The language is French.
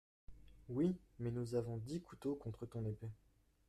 Oui ; mais nous avons dix couteaux contre ton épée.